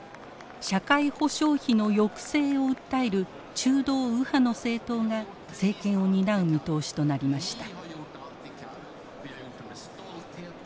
社会保障費の抑制を訴える中道右派の政党が政権を担う見通しとなりました。